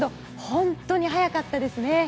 本当に速かったですね。